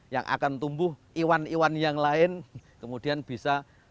yang akan tumbuh iwan iwan yang lain kemudian bisa